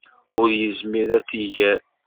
Ur yezmir ad t-iɣer.